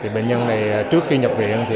bệnh nhân này trước khi nhập viện thì